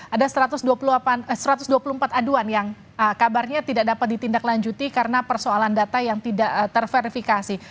ada satu ratus dua puluh empat aduan yang kabarnya tidak dapat ditindaklanjuti karena persoalan data yang tidak terverifikasi